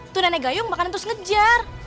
tuh nenek gayung makanya terus ngejar